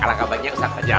alangkah banyak ustadz pajak